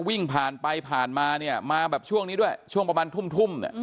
วิ่งผ่านไปผ่านมาเนี่ยมาแบบช่วงนี้ด้วยช่วงประมาณทุ่มเนี่ย